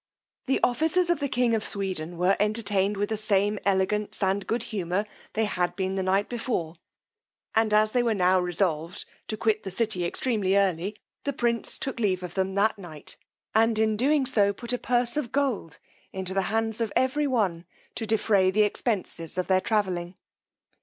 The officers of the king of Sweden were entertained with the same elegance and good humour they had been the night before; and as they were now resolved to quit the city extremely early, the prince took leave of them that night, and in doing so put a purse of gold into the hands of every one to defray the expenses of their travelling.